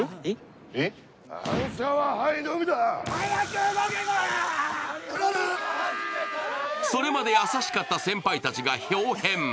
しかもそれまで優しかった先輩たちがひょう変。